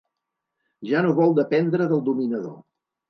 Ja no vol dependre del dominador.